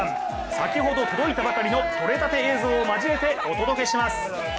先ほど届いたばかりの取れたて映像を交えてお届けします。